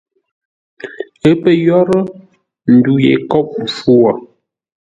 Ə́ pə̂ yórə́, ndu ye kôʼ mpfu wo.